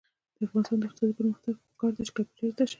د افغانستان د اقتصادي پرمختګ لپاره پکار ده چې کمپیوټر زده شي.